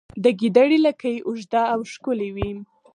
د ګیدړې لکۍ اوږده او ښکلې وي